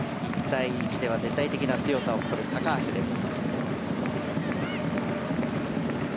１対１では絶対的な強さを誇る高橋です。